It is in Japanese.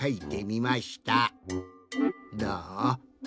どう？